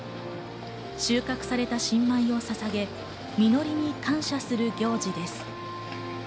収穫された新米をささげに実りに感謝する行事です。